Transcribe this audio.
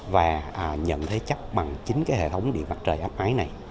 và nhận thấy chắc bằng chính cái hệ thống điện mặt trời áp mái này